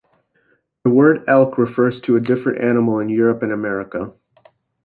The word "elk" refers to a different animal in Europe and America.